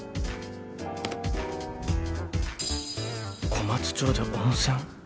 小松町で温泉？